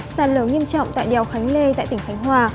sản lượng nghiêm trọng tại đèo khánh lê tại tỉnh khánh hòa